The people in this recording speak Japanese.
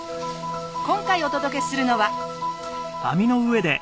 今回お届けするのは。